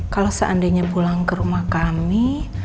kalau seandainya pulang ke rumah kami